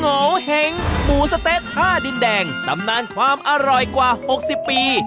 โงเห้งหมูสะเต๊ะท่าดินแดงตำนานความอร่อยกว่า๖๐ปี